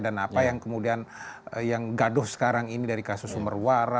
dan apa yang kemudian yang gaduh sekarang ini dari kasus sumber waras